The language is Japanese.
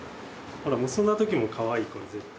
ほら結んだ時もかわいいこれ絶対。